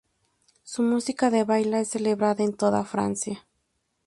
Su música de baile es celebrada en toda Francia.